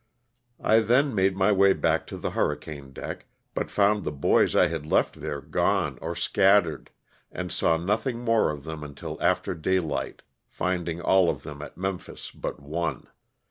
I then made my way back on the hurricane deck, but found the boys T had left there gone or scattered, and saw nothing more of them until after daylight, tinding all of them at Memphis but one.